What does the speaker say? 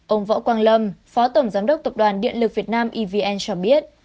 ông võ quang lâm phó tổng giám đốc tập đoàn điện lực việt nam evn cho biết